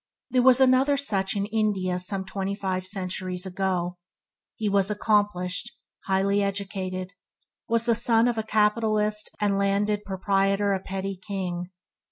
There was another such in India some twenty five centuries ago. He was accomplished, highly educated, and was the son of a capitalist and landed proprietor a petty king.